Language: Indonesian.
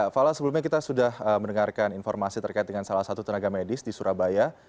fala sebelumnya kita sudah mendengarkan informasi terkait dengan salah satu tenaga medis di surabaya